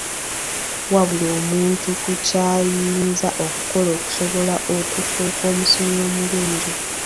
Wabula omuntu ku ky'ayinza okukola okusobola okufuuka omusomi omulungi.